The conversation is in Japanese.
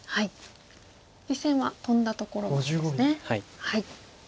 実戦はトンだところまでですね。